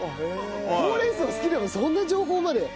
ほうれん草好きでもそんな情報まで？